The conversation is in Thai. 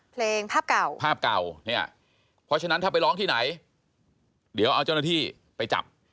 เพลงภาพเก่าภาพเก่าเนี่ยเพราะฉะนั้นถ้าไปร้องที่ไหนเดี๋ยวเอาเจ้าหน้าที่ไปจับ